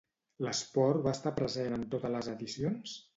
L'esport va estar present en totes les edicions?